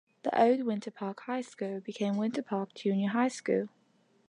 The old Winter Park High School became Winter Park Junior High School.